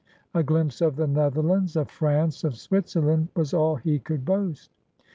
A glimpse of the Netherlands, of France, of Switzerland, was all he could boast.